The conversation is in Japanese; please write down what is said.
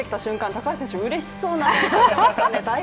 高橋選手、うれしそうな表情されましたね。